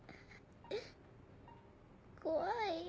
怖いよ。